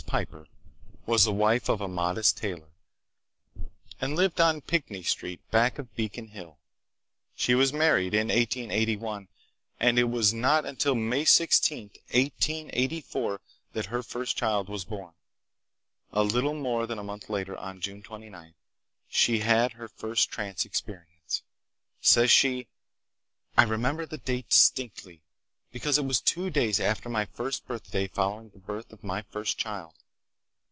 Piper was the wife of a modest tailor, and lived on Pinckney street, back of Beacon Hill. She was married in 1881, and it was not until May 16, 1884, that her first child was born. A little more than a month later, on June 29, she had her first trance experience. Says she: "I remember the date distinctly, because it was two days after my first birthday following the birth of my first child."